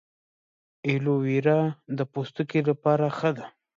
ایلوویرا د پوستکي لپاره ښه ده